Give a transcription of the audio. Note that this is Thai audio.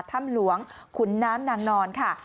ถ้ำหลวงขุนน้ำนางนอนค่ะ